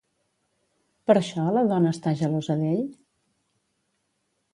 Per això la dona està gelosa d'ell?